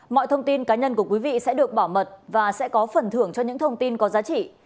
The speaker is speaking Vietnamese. mọi thông tin cá nhân của quý vị sẽ được bảo mật và sẽ có phần thưởng cho những thông tin có giá trị